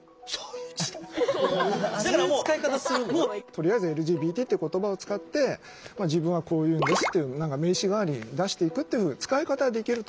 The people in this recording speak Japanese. とりあえずＬＧＢＴって言葉を使って自分はこういうのですっていう名刺代わりに出していくっていう使い方はできると思うんですよ。